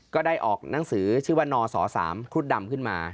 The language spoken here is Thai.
ก็ได้ออกหนังสือชื่อว่านศ๓ครุฑดำขึ้นมา